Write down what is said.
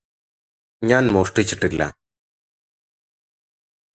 ഞാന് മോഷ്ടിച്ചിട്ടില്ല